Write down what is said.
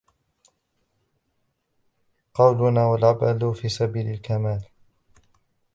قولنا والعمـل في سبيل الكمال